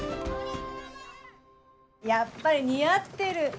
やっぱり似合ってる。